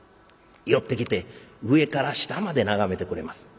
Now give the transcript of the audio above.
寄ってきて上から下まで眺めてくれます。